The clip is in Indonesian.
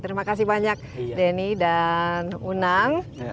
terima kasih banyak denny dan unang